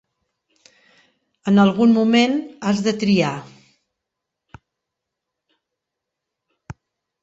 En algun moment, has de triar.